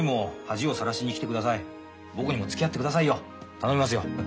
頼みますよ。